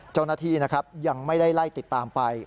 เจ้าหน้าที่นะครับยังไม่ได้ไล่ติดตามไป